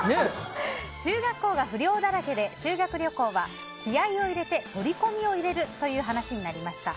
中学校が不良だらけで修学旅行は気合を入れてそり込みを入れるという話になりました。